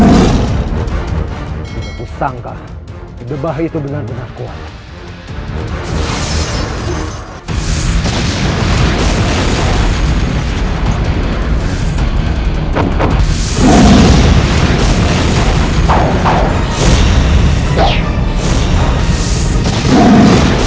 aku tidak bisa terus di sini